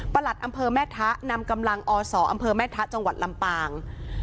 หลัดอำเภอแม่ทะนำกำลังอศอำเภอแม่ทะจังหวัดลำปาง